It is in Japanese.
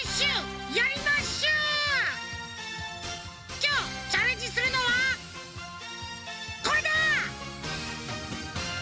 きょうチャレンジするのはこれだ！